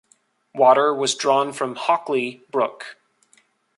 Water was drawn from Hockley Brook.